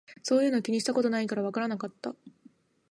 そういうの気にしたことないからわからなかった